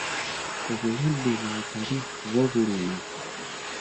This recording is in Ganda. Obulwadde bwa kabi bwo buluma.